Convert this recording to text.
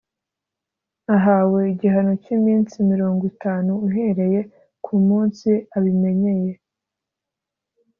Ahawe igihano cy’iminsi mirongo itanu uhereye ku munsi abimenyeye